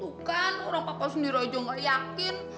tuh kan orang papa sendiri aja gak yakin